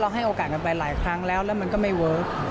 ให้โอกาสกันไปหลายครั้งแล้วแล้วมันก็ไม่เวิร์ค